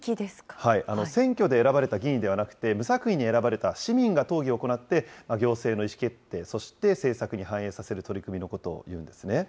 選挙で選ばれた議員ではなくて、無作為に選ばれた市民が討議を行って、行政の意思決定、そして政策に反映させる取り組みのことをいうんですね。